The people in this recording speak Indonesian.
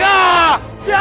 kita semua harus siaga